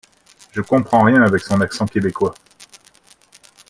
Je comprends rien avec son accent québecois.